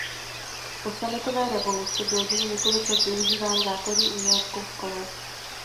Po sametové revoluci byl dům několik let využíván základní uměleckou školou.